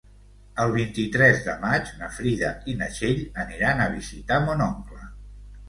El vint-i-tres de maig na Frida i na Txell aniran a visitar mon oncle.